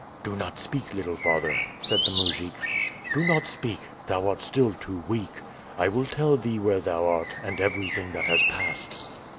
"Do not speak, little father," said the mujik, "Do not speak! Thou art still too weak. I will tell thee where thou art and everything that has passed."